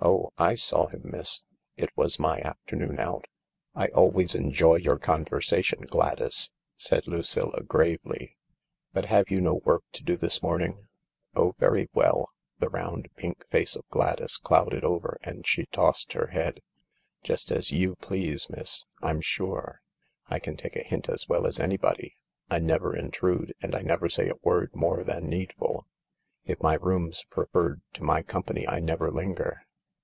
Oh, / saw him, miss. It was my afternoon out." f * I always enjoy your conversation, Gladys," said Lucilla 24 THE LARK gravely, " but have you no work to do this morning ?"" Oh, very well "; the round, pink face of Gladys clouded over, and she tossed her head. "Just as you please, miss, I'm sure. I can take a hint as well as anybody. I never intrude and I never say a word more than needful. If my room's preferred to my company I never linger.